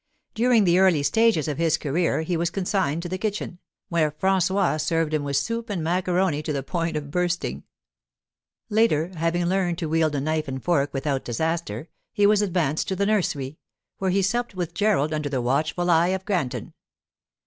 During the early stages of his career he was consigned to the kitchen, where François served him with soup and macaroni to the point of bursting. Later, having learned to wield a knife and fork without disaster, he was advanced to the nursery, where he supped with Gerald under the watchful eye of Granton.